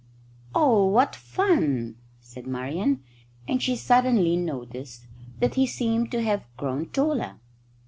"Oh, what fun!" said Marian, and she suddenly noticed that he seemed to have grown taller.